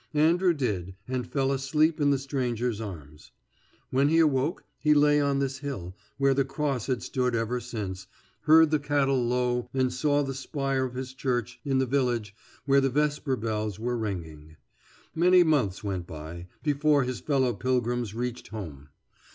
Andrew did, and fell asleep in the stranger's arms. When he awoke he lay on this hill, where the cross has stood ever since, heard the cattle low and saw the spire of his church in the village where the vesper bells were ringing. Many months went by before his fellow pilgrims reached home.